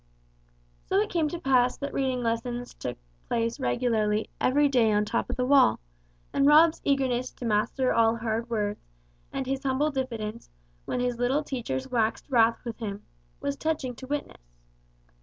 So it came to pass that reading lessons took place regularly every day on the top of the wall, and Rob's eagerness to master all hard words, and his humble diffidence, when his little teachers waxed wrath with him, was touching to witness.